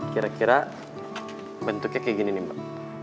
kira kira bentuknya kayak gini nih mbak